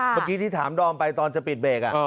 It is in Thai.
เมื่อกี้ที่ถามดอมไปตอนจะปิดเบรก